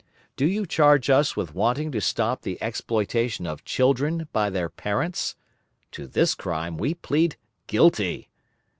Do you charge us with wanting to stop the exploitation of children by their parents? To this crime we plead guilty.